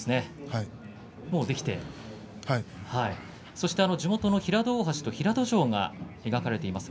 そして地元の平戸大橋と平戸城が描かれています。